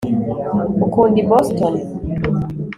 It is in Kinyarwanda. ukunda i boston